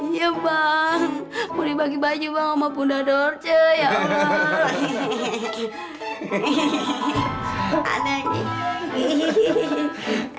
iya bang boleh bagi baju bang sama bunda dorje ya allah